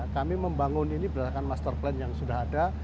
kami membangun ini berdasarkan master plan yang sudah ada